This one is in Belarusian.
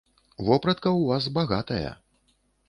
Вопратка ў вас багатая.